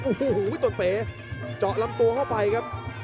โอ้โหต้นเป๋เจาะลำตัวเข้าไปครับ